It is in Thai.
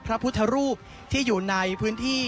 พระพุทธรูปที่อยู่ในพื้นที่